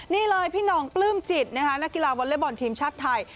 นี่เลยพี่น้องปลื้มจิตนักกีฬาวอเลเวอร์บอร์นทีมชาติไทย